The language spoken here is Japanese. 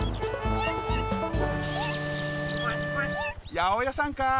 やおやさんカー！